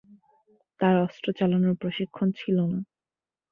তার অস্ত্র চালানোর প্রশিক্ষণ ছিল না।